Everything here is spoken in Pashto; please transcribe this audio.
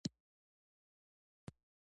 یوه ورځ به پلونه ګوري د پېړۍ د کاروانونو